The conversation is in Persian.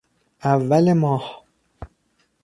اول ماه